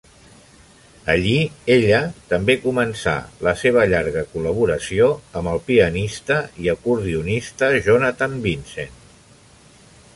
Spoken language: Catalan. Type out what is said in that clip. Allí ella també començà la seva llarga col·laboració amb el pianista i acordionista Jonathan Vincent.